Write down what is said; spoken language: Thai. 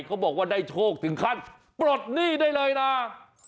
เขาบอกว่าได้โชคถึงขั้นปลดหนี้ได้เลยนะ